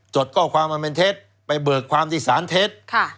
จดข้อความอเมนเทศไปเบิกความที่สารเทศ